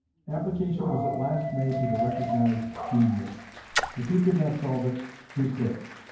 Application was at last made to the recognised genius. If he could not solve it, who could?